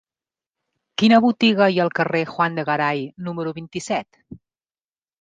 Quina botiga hi ha al carrer de Juan de Garay número vint-i-set?